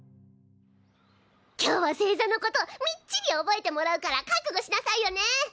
今日は星座のことみっちり覚えてもらうからかくごしなさいよね！